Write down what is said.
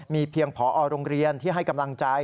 มีเพียงพอโรงเรียนที่ให้กำลังใจ